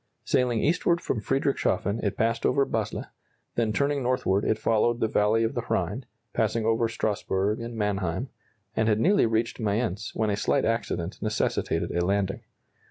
Sailing eastward from Friedrichshafen it passed over Basle, then turning northward it followed the valley of the Rhine, passing over Strasburg and Mannheim, and had nearly reached Mayence when a slight accident necessitated a landing.